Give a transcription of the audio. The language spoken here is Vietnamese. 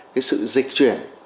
cái sự dịch chuyển